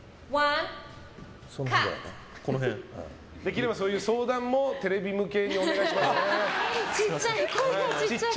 できればそういう相談もテレビ向きでお願いしますね。